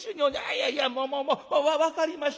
「いやいやもうもうもう分かりました。